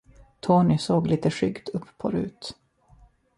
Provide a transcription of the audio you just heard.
Tony såg litet skyggt upp på Rut.